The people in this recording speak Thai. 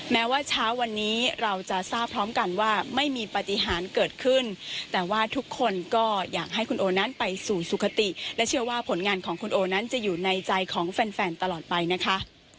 แม้ว่าเช้าวันนี้เราจะทราบพร้อมกันว่าไม่มีปฏิหารเกิดขึ้นแต่ว่าทุกคนก็อยากให้คุณโอนั้นไปสู่สุขติและเชื่อว่าผลงานของคุณโอนั้นจะอยู่ในใจของแฟนตลอดไปนะคะ